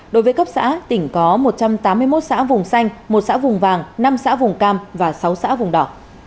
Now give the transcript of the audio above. đối với cấp xã tỉnh có một trăm tám mươi một xã vùng xanh một xã vùng vàng năm xã vùng cam và sáu xã vùng đỏ